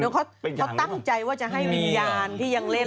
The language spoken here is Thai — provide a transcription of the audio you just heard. เขาตั้งใจว่าจะให้วิญญาณที่ยังเล่น